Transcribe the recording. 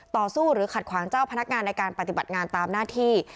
ต่อสู้หรือขัดขวางเจ้าพนักงานในการปฏิบัติงานตามหน้าที่